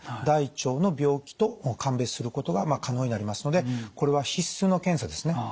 大腸の病気と鑑別することが可能になりますのでこれは必須の検査ですね。